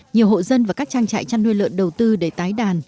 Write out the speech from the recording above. nhiều hộ dân và các trang trại chăn nuôi lợn đầu tư để tái đàn